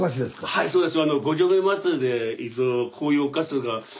はいそうです。